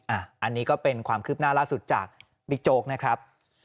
อันนี้ก็เป็นความคืบหน้าล่าสุดจากบิ๊กโจ๊กนะครับ